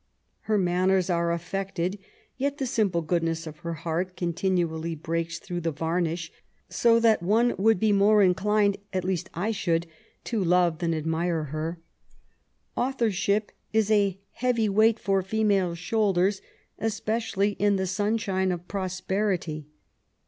Her manners are affected, yet the simple goodness of her heart continually breaks through the varnish, so that one would be more inclined, at least I should, to love than admire her. Authorship is a heavy weight for female shoulders, especially in the sunshine of prosperity.